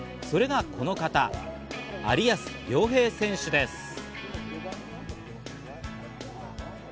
それがこの方、有安諒平選手です。